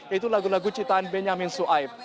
yaitu lagu lagu ciptaan benyamin suaib